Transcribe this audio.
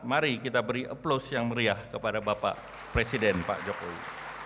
mari kita beri aplaus yang meriah kepada bapak presiden pak jokowi